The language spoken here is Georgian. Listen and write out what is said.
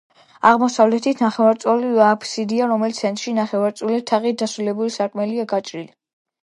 აღმოსავლეთით ნახევარწრიული აფსიდია, რომლის ცენტრში ნახევარწრიული თაღით დასრულებული სარკმელია გაჭრილი.